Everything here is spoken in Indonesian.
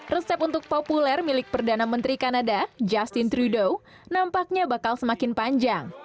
resep untuk populer milik perdana menteri kanada justin trudeau nampaknya bakal semakin panjang